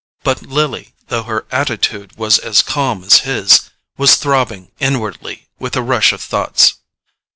But Lily, though her attitude was as calm as his, was throbbing inwardly with a rush of thoughts.